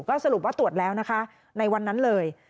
ก็สรุปว่าตรวจแล้วนะคะในวันนั้นเลย